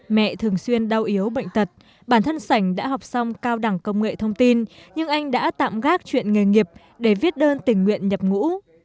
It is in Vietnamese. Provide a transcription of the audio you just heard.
mẹ thường xuyên đau yếu bệnh tật bản thân sảnh đã học xong cao đẳng công nghệ thông tin nhưng anh đã tạm gác chuyện nghề nghiệp để viết đơn tình nguyện nhập ngũ